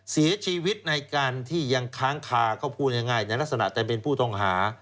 เสียชีวิตในการที่ยังค้างคาก็พูดง่ายในลักษณะจะเป็นผู้ต้องหา